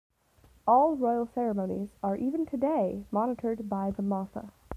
All royal ceremonies are even today monitored by the Matha.